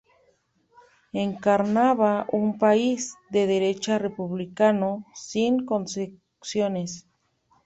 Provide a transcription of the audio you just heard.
Encarnaba un país "de derecha", republicano, sin concesiones.